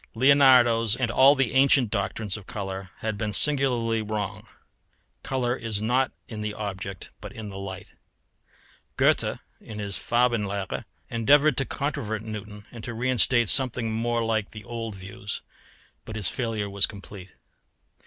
Leonardo's and all the ancient doctrines of colour had been singularly wrong; colour is not in the object but in the light. Goethe, in his Farbenlehre, endeavoured to controvert Newton, and to reinstate something more like the old views; but his failure was complete.